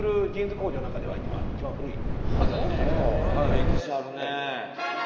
歴史あるねえ。